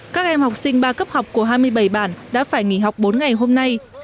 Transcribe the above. các em học sinh ba cấp học của hai mươi bảy bản đã phải nghỉ học bốn ngày hôm nay